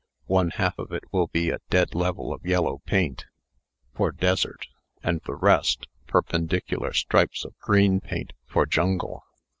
One half of it will be a dead level of yellow paint, for desert; and the rest, perpendicular stripes of green paint, for jungle.